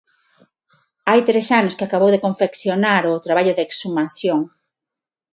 Hai tres anos que acabou de confeccionar o traballo de exhumación.